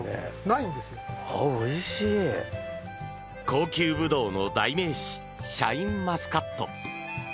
高級ブドウの代名詞シャインマスカット。